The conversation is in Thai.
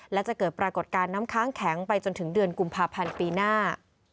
และจะเกิดปรากฏการณ์น้ำค้างแข็งไปจนถึงเดือนกุมภาพันธ์ปีหน้า